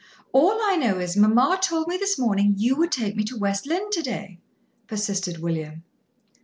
"All I know is, mamma told me this morning you would take me to West Lynne to day," persisted William.